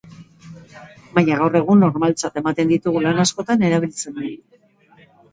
Baina gaur egun normaltzat ematen ditugun lan askotan erabiltzen da.